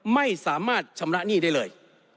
ไม่สามารถชำระหนี้ได้เลย